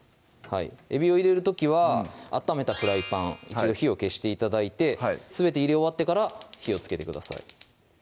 えびを入れる時は温めたフライパン一度火を消して頂いて全て入れ終わってから火をつけてください